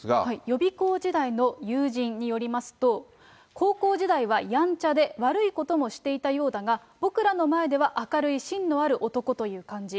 予備校時代の友人によりますと、高校時代はやんちゃで悪いこともしていたようだが、僕らの前では明るいしんのある男という感じ。